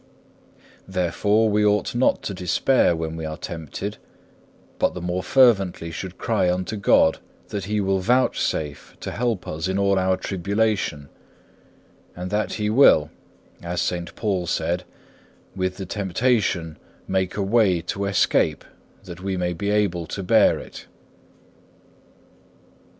7. Therefore we ought not to despair when we are tempted, but the more fervently should cry unto God, that He will vouchsafe to help us in all our tribulation; and that He will, as St. Paul saith, with the temptation make a way to escape that we may be able to bear it.